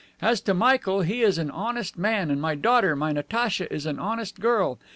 As to Michael, he is an honest man, and my daughter, my Natacha, is an honest girl.